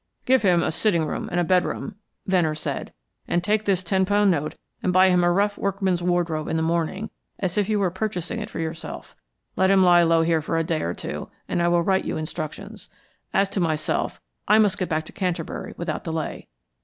"Give him a sitting room and a bedroom," Venner said; "and take this ten pound note and buy him a rough workman's wardrobe in the morning as if you were purchasing it for yourself. Let him lie low here for a day or two, and I will write you instructions. As to myself, I must get back to Canterbury without delay."